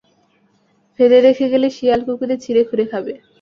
ফেলে রেখে গেলে শিয়াল-কুকুরে ছিঁড়ে খুঁড়ে খাবে।